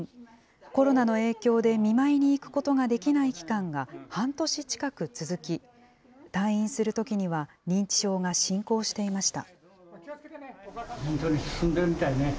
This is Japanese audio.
コロナの影響で見舞いに行くことができない期間が半年近く続き、退院するときには、認知症が進行していました。